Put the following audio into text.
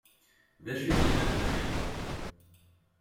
Dacu i yellan d amaynut?